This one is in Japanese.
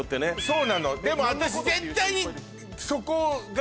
そうなのでも私絶対に。